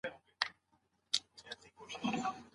د واکمن او امرمنونکي ترمنځ اړيکه شتون لري.